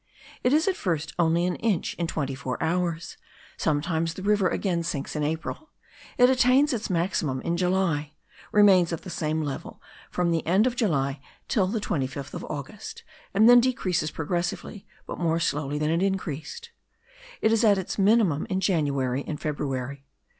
It is at first only an inch in twenty four hours; sometimes the river again sinks in April; it attains its maximum in July; remains at the same level from the end of July till the 25th of August; and then decreases progressively, but more slowly than it increased. It is at its minimum in January and February.